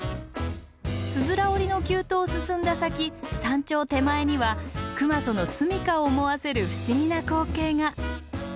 つづら折りの急登を進んだ先山頂手前には熊襲の住みかを思わせる不思議な光景が。